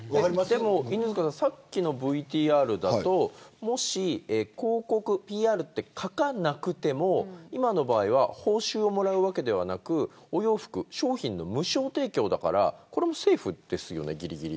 でも、さっきのＶＴＲだともし広告、ＰＲって書かなくても今の場合は報酬をもらうわけではなくお洋服、商品の無償提供だからこれもセーフですよねぎりぎり。